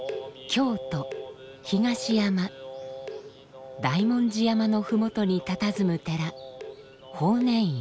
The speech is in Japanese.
京都・東山大文字山の麓にたたずむ寺法然院。